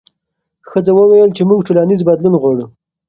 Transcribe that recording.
ښځو وویل چې موږ ټولنیز بدلون غواړو.